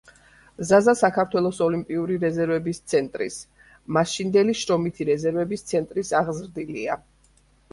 ზაზა საქართველოს ოლიმპიური რეზერვების ცენტრის, მაშინდელი შრომითი რეზერვების ცენტრის აღზრდილია.